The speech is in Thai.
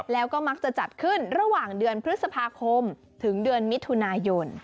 แล้วก็มักจะจัดขึ้นระหว่างเดือนพฤษภาคมถึงเดือนมิถุนายน